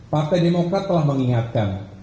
partai demokrat telah mengingatkan